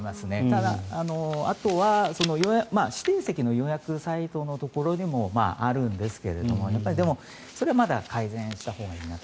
ただ、あとは指定席の予約サイトのところにもあるんですけれどもでもそれはまだ改善したほうがいいなと。